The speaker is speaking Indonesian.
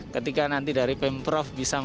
ketika nanti dari pemprov bisa masuk ke jalan tol